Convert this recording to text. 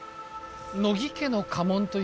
乃木家の家紋というのは